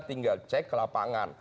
tinggal cek ke lapangan